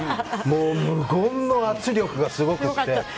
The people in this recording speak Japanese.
もう無言の圧力がすごくって。